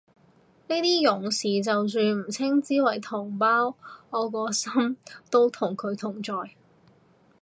呢啲勇士就算唔稱之為同胞，我個心都同佢同在